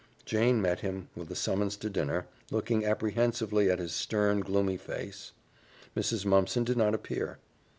Jane met him with a summons to dinner, looking apprehensively at his stern, gloomy face. Mrs. Mumpson did not appear.